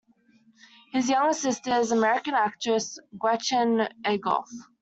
His younger sister is American actress Gretchen Egolf.